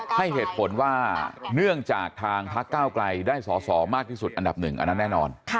ให้เหตุผลว่าเนื่องจากทางพักเก้าไกลได้สอสอมากที่สุดอันดับหนึ่งอันนั้นแน่นอน